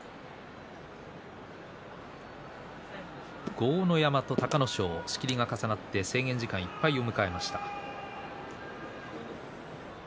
豪ノ山と隆の勝仕切りが重なって制限時間いっぱいを迎えました。